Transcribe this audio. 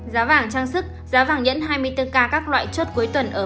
giá vàng trang sức giá vàng nhẫn hai mươi bốn k các loại chốt cuối tuần ở